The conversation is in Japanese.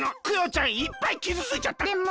クヨちゃんいっぱいきずついちゃった。